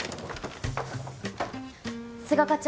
須賀課長。